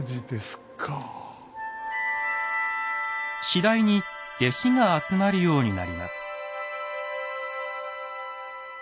次第に弟子が集まるようになります。